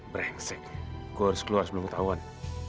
brengsek gue harus keluar sebelum ketahuan